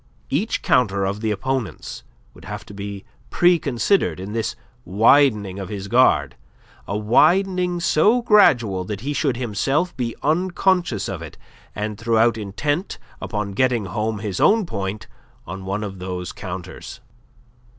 Each counter of the opponent's would have to be preconsidered in this widening of his guard, a widening so gradual that he should himself be unconscious of it, and throughout intent upon getting home his own point on one of those counters.